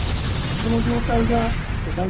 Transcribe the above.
その状態が梅雨